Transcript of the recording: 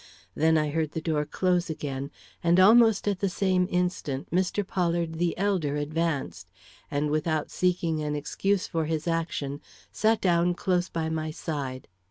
Then I heard the door close again, and almost at the same instant Mr. Pollard the elder advanced, and without seeking an excuse for his action, sat down close by my side.